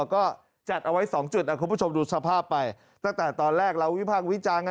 ก็จัดเอาไว้๒จุดคุณผู้ชมดูสภาพไปตั้งแต่ตอนแรกเราวิพากษ์วิจารณ์